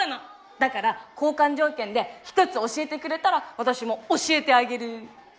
だから交換条件で一つ教えてくれたら私も教えてあげる。